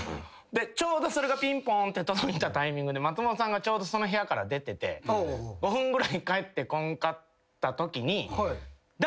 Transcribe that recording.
ちょうどそれがピンポーンって届いたタイミングで松本さんがちょうどその部屋から出てて５分ぐらい帰ってこんかったときに。